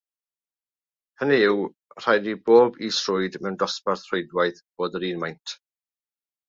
Hynny yw, rhaid i bob is-rwyd mewn dosbarth rhwydwaith fod yr un maint.